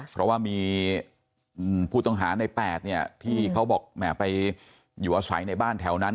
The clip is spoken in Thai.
เพราะว่ามีผู้ต้องหาใน๘เนี่ยที่เขาบอกแหมไปอยู่อาศัยในบ้านแถวนั้น